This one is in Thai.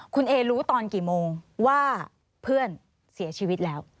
คุณเอรู้ตอนกี่โมงว่าเพื่อนเสียชีวิตแล้ว